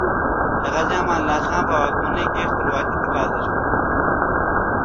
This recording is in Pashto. د غازي امان الله خان په واکمنۍ کې خپلواکي تر لاسه شوه.